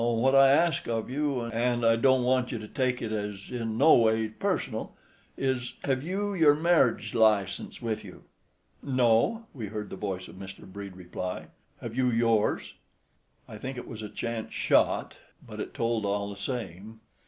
Now what I ask of you, and I don't want you to take it as in no ways personal, is—hev you your merridge license with you?" "No," we heard the voice of Mr. Brede reply. "Have you yours?" I think it was a chance shot; but it told all the same.